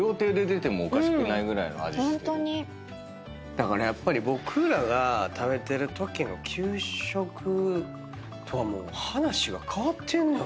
だからやっぱり僕らが食べてるときの給食とは話が変わってんのやろうな。